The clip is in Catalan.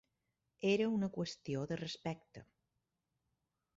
Era una qüestió de respecte.